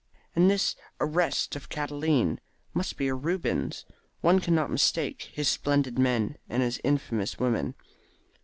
"And this 'Arrest of Catiline' must be a Rubens. One cannot mistake his splendid men and his infamous women."